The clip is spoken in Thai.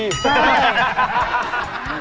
ใช่